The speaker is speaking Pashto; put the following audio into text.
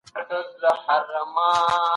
دوی د خپل هېواد د کلتور ساتنه کوله.